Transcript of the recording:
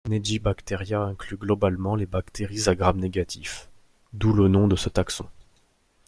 Negibacteria inclut globalement les bactéries à Gram négatif, d'où le nom de ce taxon.